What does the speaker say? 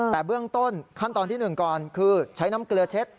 แต่เบื้องต้นขั้นตอนที่๑ก่อนคือใช้น้ำเกลือเช็ด